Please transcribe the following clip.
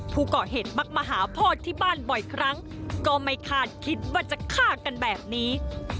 ผู้ก่อเหตุมักมาหาพ่อที่บ้านบ่อยครั้งก็ไม่คาดคิดว่าจะฆ่ากันแบบนี้